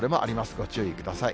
ご注意ください。